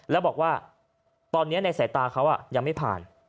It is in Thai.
แล้วบอกว่าตอนนี้ในสายตาเขายังไม่ผ่าน